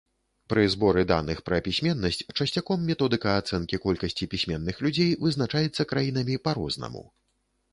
Пры зборы даных пра пісьменнасць часцяком методыка ацэнкі колькасці пісьменных людзей вызначаецца краінамі па-рознаму.